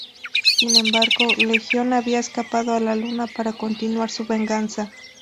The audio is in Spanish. Sin embargo, Legión había escapado a la luna para continuar su venganza.